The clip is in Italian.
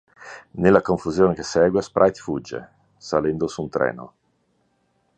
Nella confusione che segue Sprite fugge, salendo su un treno.